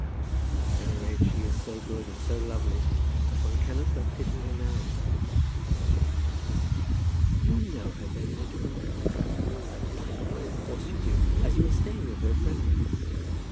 "At any rate, she is so good and so lovely that one cannot but pity her now," said the major. "You know her, then, Major Grantly? By the by, of course you do, as you were staying with her at Framley."